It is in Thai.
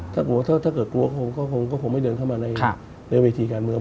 ถ้ากลัวก็ผมไม่เดินเข้ามาในเวทีการเมือง